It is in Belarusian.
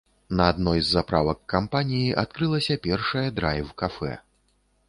На адной з заправак кампаніі адкрылася першае драйв-кафэ.